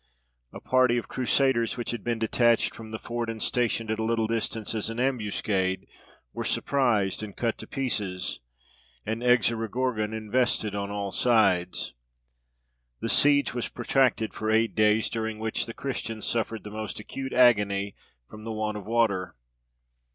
A party of Crusaders, which had been detached from the fort, and stationed at a little distance as an ambuscade, were surprised and cut to pieces, and Exorogorgon invested on all sides. The siege was protracted for eight days, during which the Christians suffered the most acute agony from the want of water.